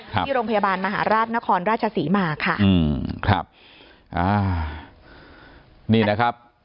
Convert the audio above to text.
ที่โรงพยาบาลมหาราชนครราชศรีมาค่ะอืมครับอ่านี่นะครับ